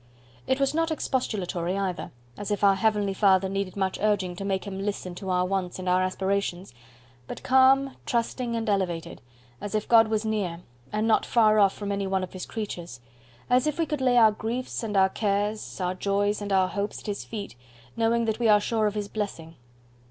It was not expostulatory either, as if our Heavenly Father needed much urging to make Him listen to our wants and our aspirations, but calm, trusting, and elevated, as if God was near, and not far off from any one of His creatures as if we could lay our griefs and our cares, our joys and our hopes, at His feet, knowing that we are sure of His blessing.